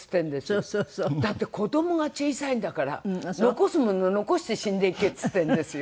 だって子どもが小さいんだから「残すもの残して死んでいけ」って言ってるんですよ。